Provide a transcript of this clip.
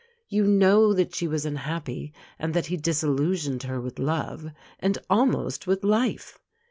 You know that she was unhappy, and that he disillusioned her with love, and almost with life.